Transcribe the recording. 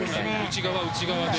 内側、内側で。